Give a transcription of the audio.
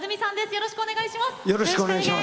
よろしくお願いします。